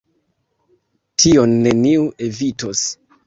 Tion neniu evitos.